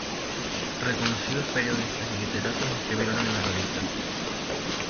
Reconocidos periodistas y literatos escribieron en la revista.